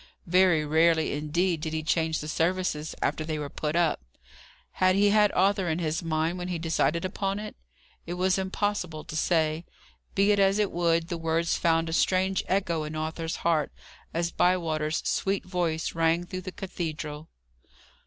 Very rarely indeed did he change the services after they were put up. Had he had Arthur in his mind when he decided upon it? It was impossible to say. Be it as it would, the words found a strange echo in Arthur's heart, as Bywater's sweet voice rang through the cathedral.